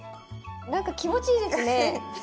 何か気持ちいいですね。